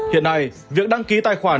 hiện nay việc đăng ký tài khoản